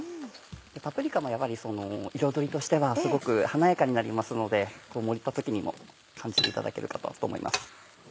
パプリカもやはり彩りとしてはすごく華やかになりますので盛った時にも感じていただけるかと思います。